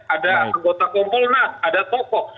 ada anggota kompul nas ada tokoh